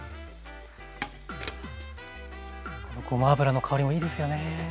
ごま油の香りもいいですよね。